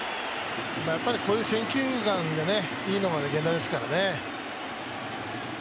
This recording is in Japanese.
こういう選球眼がいいのが源田ですからね。